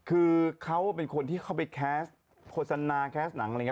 คือเขาเป็นคนที่เข้าไปแคสต์โฆษณาแคสต์หนังอะไรอย่างนี้